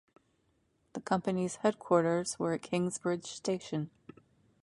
The company's headquarters were at Kingsbridge station.